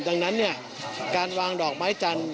ดังนั้นเนี่ยการวางดอกไม้จันทร์